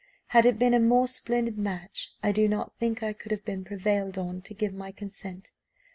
Had it been a more splendid match, I do not think I could have been prevailed on to give my consent.